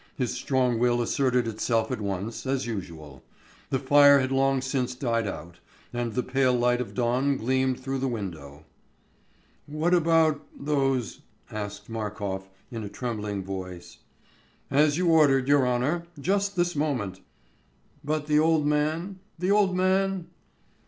His strong will asserted itself at once, as usual. The fire had long since died out, and the pale light of dawn gleamed through the window. "What about ... those ..." asked Markof, in a trembling voice. "As you ordered, your honour, just this moment." "But the old man? The old man?"